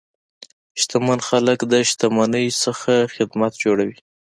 شتمن خلک د شتمنۍ نه خدمت جوړوي.